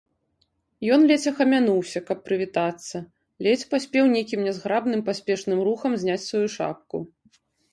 Ён ледзь ахамянуўся, каб прывітацца, ледзь паспеў нейкім нязграбным паспешным рухам зняць сваю шапку.